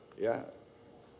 kita semua penuh kekurangan